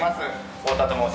太田と申します。